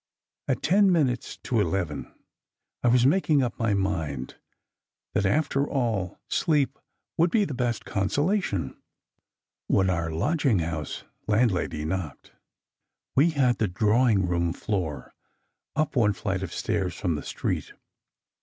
At ten minutes to eleven I was making up my mind that, after all, SECRET HISTORY 37 sleep would be the best consolation, when our lodging house landlady knocked. We had the "drawing room floor," up one flight of stairs from the street.